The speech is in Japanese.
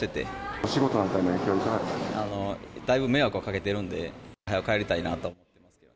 お仕事なんかの影響いかがでだいぶ迷惑はかけてるんで、はよ帰りたいなと。